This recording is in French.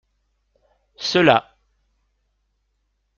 Ceux-là.